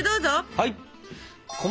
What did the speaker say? はい！